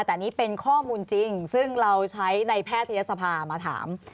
แต่อันนี้เป็นข้อมูลจริงซึ่งเราใช้ในแพทยศภามาถาม